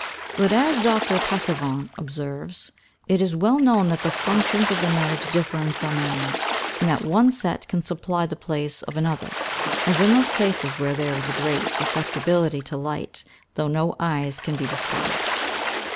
But, as Dr. Passavant observes, it is well known that the functions of the nerves differ in some animals; and that one set can supply the place of another; as in those cases where there is a great susceptibility to light, though no eyes can be discovered.